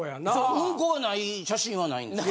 ウンコがない写真はないんですか。